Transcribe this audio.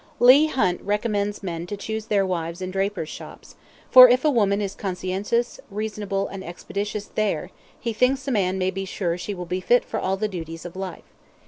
Leigh Hunt recommends men to choose their wives in drapers' shops; for if a woman is conscientious, reasonable, and expeditious there, he thinks a man may be sure she will be fit for all the duties of life.